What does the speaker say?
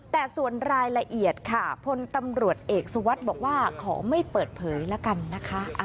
แต่ส่วนรายละเอียดค่ะพลตำรวจเอกสุวัสดิ์บอกว่าขอไม่เปิดเผยแล้วกันนะคะ